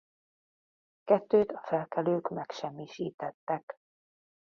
Kettőt a felkelők megsemmisítettek.